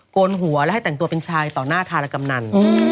โกนหัวและให้แต่งตัวเป็นชายต่อหน้าธารกำนัน